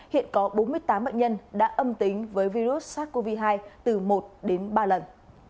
hiện có bốn mươi tám bệnh nhân đã âm tính với virus sars cov hai từ một đến ba lần